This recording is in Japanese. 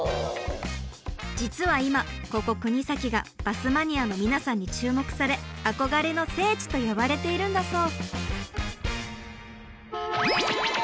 実は今ここ国東がバスマニアの皆さんに注目され「憧れの聖地」と呼ばれているんだそう。